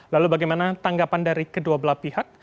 lalu bagaimana tanggapan dari kedua belah pihak